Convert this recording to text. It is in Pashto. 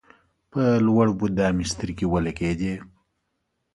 په لوړ بودا مې سترګې ولګېدې.